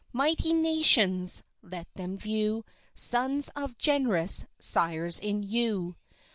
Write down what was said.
Mighty nations! let them view Sons of generous sires in you.